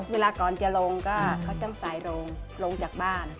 เวลาก่อนจะลงก็เขาต้องสายลงลงจากบ้าน